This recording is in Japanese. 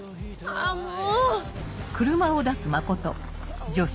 あもう！